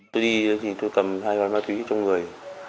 tôi đi thì tôi cầm hai gói ma túy trong người